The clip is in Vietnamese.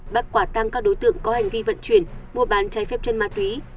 bắt quả tăng các đối tượng có hành vi vận chuyển mua bán trái phép chân ma túy